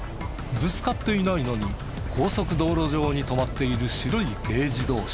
ぶつかっていないのに高速道路上に止まっている白い軽自動車。